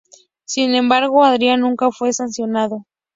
Sin embargo Adrian nunca fue sancionado.